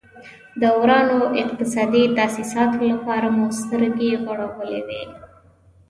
د ورانو اقتصادي تاسیساتو لپاره مو سترګې غړولې وې.